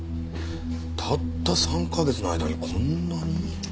たった３カ月の間にこんなに？